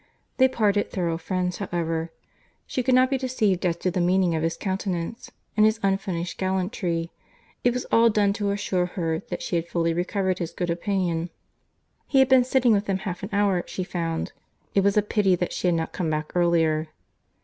—They parted thorough friends, however; she could not be deceived as to the meaning of his countenance, and his unfinished gallantry;—it was all done to assure her that she had fully recovered his good opinion.—He had been sitting with them half an hour, she found. It was a pity that she had not come back earlier!